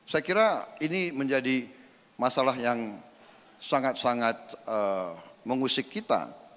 saya kira ini menjadi masalah yang sangat sangat mengusik kita